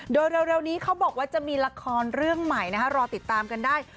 โดยเร็วนี้เขาบอกว่าจะมีละครเรื่องใหม่รอติดตามกันได้